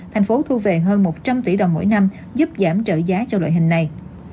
thành phố thu về hơn một trăm linh tỷ đồng mỗi năm giúp giảm trợ giá cho loại hình này